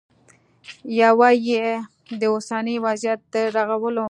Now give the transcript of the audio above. یوه یې د اوسني وضعیت د رغولو